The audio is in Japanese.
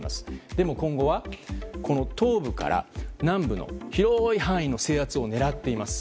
でも今後は東部から南部の広い範囲の制圧を狙っています。